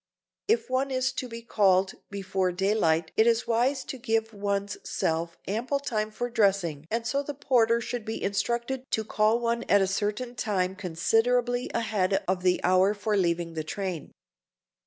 If one is to be called before daylight it is wise to give one's self ample time for dressing and so the porter should be instructed to call one at a certain time considerably ahead of the hour for leaving the train.